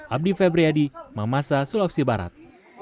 abdi febriyadi mamasa sulawesi barat